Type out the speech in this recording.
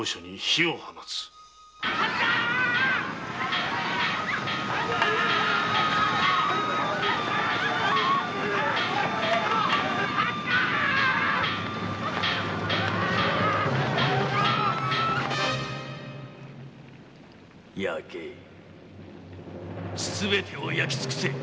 「焼けすべてを焼き尽くせ」